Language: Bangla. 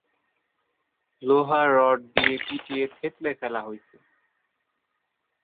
লোহার রড দিয়ে পিটিয়ে থেতলে ফেলা হয়েছে।